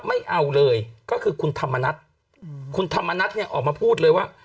ไม่เอาเลยก็คือคุณธรรมนัฐคุณธรรมนัฐเนี่ยออกมาพูดเลยว่า